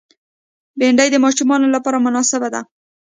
بېنډۍ د ماشومانو لپاره مناسبه ده